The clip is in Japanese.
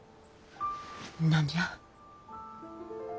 何じゃ。